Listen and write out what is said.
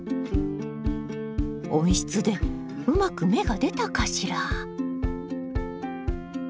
温室でうまく芽が出たかしら？